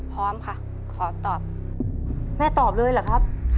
พร้อมค่ะขอตอบแม่ตอบเลยเหรอครับ